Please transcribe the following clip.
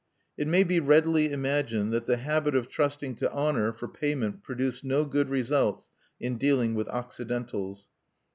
It may be readily imagined that the habit of trusting to honor for payment produced no good results in dealing with Occidentals.